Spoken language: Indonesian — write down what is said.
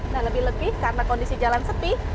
dan lebih lebih karena kondisi jalan sepi